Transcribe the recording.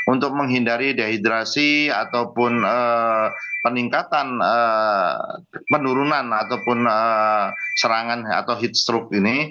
untuk menghindari dehidrasi ataupun peningkatan penurunan ataupun serangan atau heat stroke ini